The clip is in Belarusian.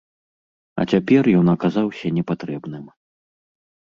А цяпер ён аказаўся непатрэбным.